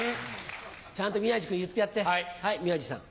ちゃんと宮治君言ってやってはい宮治さん。